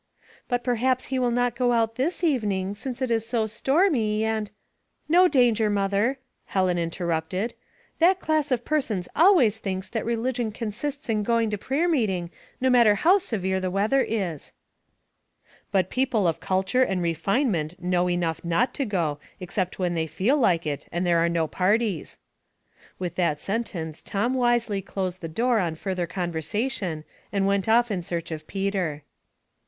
" But perhaps he will not go out this evening, since it is so stormy and —" "No danger, mother," Helen interrupted. " That class of persons always think that religion 5 66 Household Puzzles, consists in going to prayer meeting, no matter Low severe the weather is." " But people of culture and refinement know enough not to go, except when they feel like it, and there are no parties." With that sentence Tom wisely closed the door on further conversation, and went off in search of Peter.